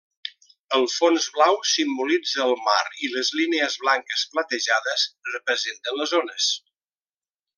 El fons blau simbolitza el mar i les línies blanques platejades representen les ones.